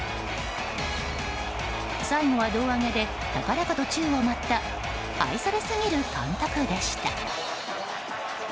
最後は胴上げで高々と宙を舞った愛されすぎる監督でした。